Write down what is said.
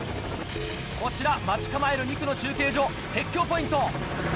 こちら待ち構える２区の中継所鉄橋ポイント。